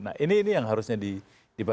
nah ini ini yang harusnya di